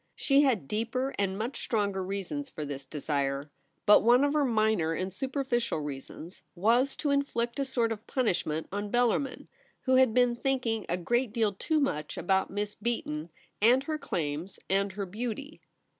She had deeper and much stronger reasons for this desire, but one of her minor and superficial reasons was to inflict a sort of punishment on Bellarmin, who had been think ing a great deal too much about Miss Beaton, and her claims and her beauty.